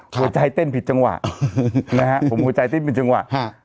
หัวใจเต้นผิดจังหวะ